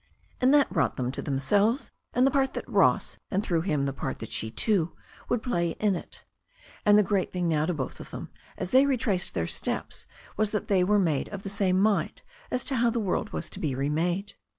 And that brought them to themselves and the part that Ross, and through him the part that she, too, would play in it. And the great thing now to both of them, as they retraced their steps, was that they were of the same mind as to how the world was to be remade.